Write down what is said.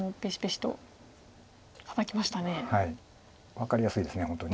分かりやすいです本当に。